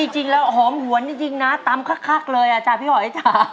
จริงแล้วหอมหัวนิดนึงนะตำคากเลยค่ะพี่หอย